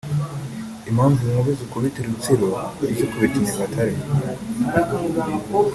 impamvu inkuba zikubita i Rutsiro ntizikubite i Nyagatare